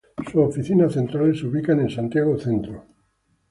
Sus oficinas centrales se ubican en Santiago Centro.